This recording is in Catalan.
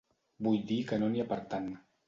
Vull dir que no n'hi ha per tant.